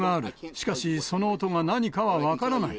しかし、その音が何かは分からない。